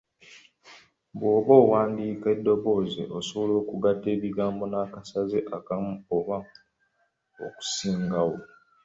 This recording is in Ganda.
Bw’oba owandiika emboozi, osobola okugatta ebigambo n’akasaze akamu oba okusingawo.